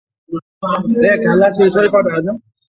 মধুসূদন উপরের বারান্দা থেকে অবাক হয়ে দাঁড়িয়ে দেখতে লাগল।